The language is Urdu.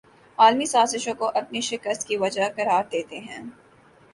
عالمی سازشوں کو اپنی شکست کی وجہ قرار دیتے ہیں